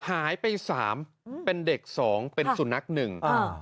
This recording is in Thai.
หายไปสามเป็นเด็กสองเป็นสุนัขหนึ่งอ่า